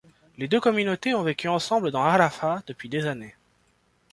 Les deux communautés ont vécu ensemble dans al-Haffah depuis des siècles.